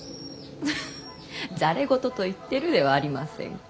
フッざれ言と言ってるではありませんか。